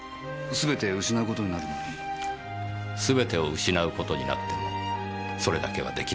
すべてを失う事になってもそれだけはできなかった。